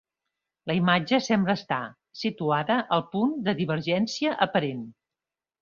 La imatge sembra estar situada al punt de divergència aparent.